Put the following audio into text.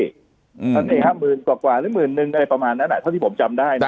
นั่นเนี่ยครับหมื่นกว่าหรือหมื่นหนึ่งประมาณนั้นแหละเท่าที่ผมจำได้